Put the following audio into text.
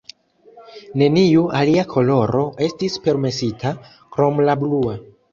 Neniu alia koloro estis permesita, krom la blua.